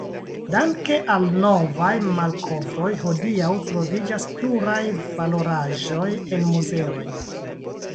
Danke al novaj malkovroj, hodiaŭ troviĝas pluraj valoraĵoj en muzeoj.